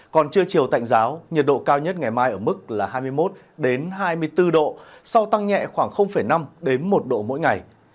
còn trưa chiều tạnh giáo nhiệt độ cao nhất ngày mai ở mức là hai mươi một hai mươi bốn độ sau tăng nhẹ khoảng năm một độ mỗi ngày